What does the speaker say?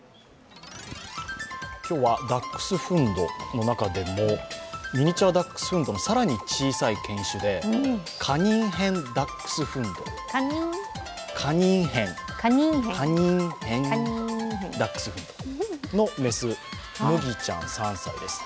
今日はダックスフンドの中でもミニチュアダックスフンドの更に小さい犬種でカニンヘンダックスフンドの雌むぎちゃん３歳です。